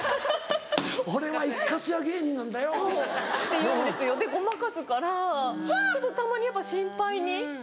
「俺は一括屋芸人なんだよ」。って言うんですよでごまかすからちょっとたまにやっぱ心配に。